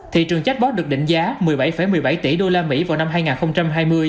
thị trường chatbot được định giá một mươi bảy một mươi bảy tỷ đô la mỹ vào năm hai nghìn hai mươi